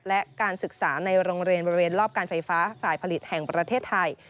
และการศึกษาในโรงเรียนบริเวณรอบการไฟฟ้าฝ่ายผลิตแห่งประเทศไทย